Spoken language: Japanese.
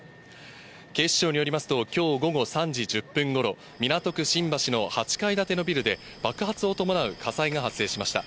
警視庁によりますと、きょう午後３時１０分ごろ、港区新橋の８階建てのビルで、爆発を伴う火災が発生しました。